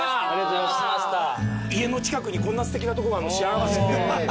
家の近くにこんなすてきなとこがあるの知らなかった。